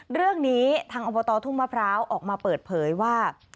เรื่องนี้ทางอบตทุ่งมะพร้าวออกมาเปิดเผยว่า